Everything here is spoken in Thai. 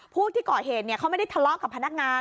ผู้ที่ก่อเหตุเขาไม่ได้ทะเลาะกับพนักงาน